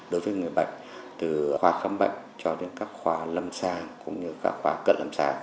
đối với người bệnh từ khóa khám bệnh cho đến các khóa lâm sa cũng như các khóa cận lâm sa